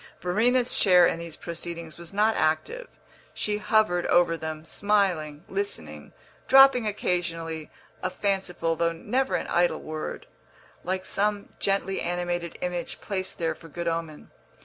Verena's share in these proceedings was not active; she hovered over them, smiling, listening, dropping occasionally a fanciful though never an idle word, like some gently animated image placed there for good omen.